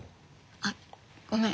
あっごめん。